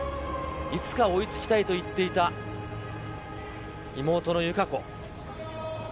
いつか追いつきたいと言っていた妹の友香子。